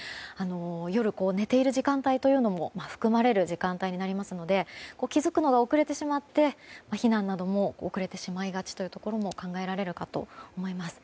夜、寝ている時間帯というのも含まれる時間帯になりますので気づくのが遅れてしまって避難なども遅れてしまいがちということも考えられるかと思います。